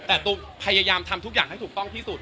แต่ตูมพยายามทำทุกอย่างให้ถูกต้องที่สุด